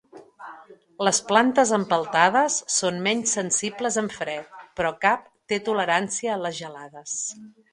Les plantes empeltades són menys sensibles en fred, però cap té tolerància a les gelades.